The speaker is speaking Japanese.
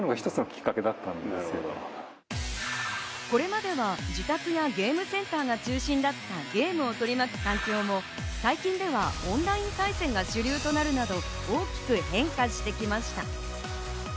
これまでは自宅やゲームセンターが中心だったゲームを取り巻く環境も最近ではオンライン対戦が主流となるなど大きく変化してきました。